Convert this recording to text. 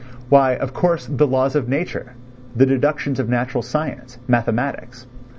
Why, of course, the laws of nature, the deductions of natural science, mathematics.